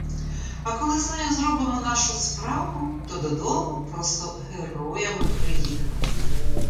А коли з нею зробимо нашу справу, то додому просто героями приїдемо.